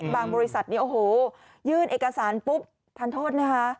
บริษัทนี้โอ้โหยื่นเอกสารปุ๊บทานโทษนะคะ